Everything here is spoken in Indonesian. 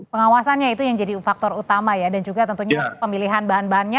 pengawasannya itu yang jadi faktor utama ya dan juga tentunya pemilihan bahan bahannya